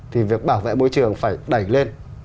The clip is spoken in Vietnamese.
thì việc bảo vệ môi trường phải đẩy lên